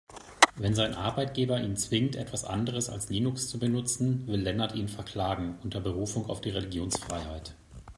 Wenn sein Arbeitgeber ihn zwingt, etwas anderes als Linux zu benutzen, will Lennart ihn verklagen, unter Berufung auf die Religionsfreiheit.